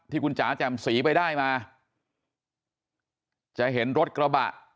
คุณจ๋าแจ่มสีไปได้มาจะเห็นรถกระบะ